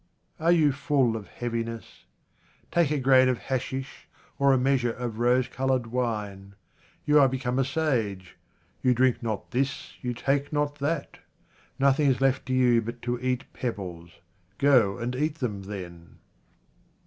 Are you full of heaviness ? Take a grain of hashish, or a measure of rose coloured wine. You are become a sage — you drink not this, you take not that ! Nothing is left to you but to eat pebbles — go and eat them then.